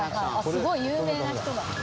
すごい有名な人が。